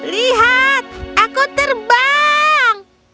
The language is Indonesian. lihat aku terbang